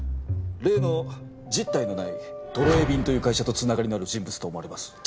例の実体のないトロエビンという会社と繋がりのある人物と思われます。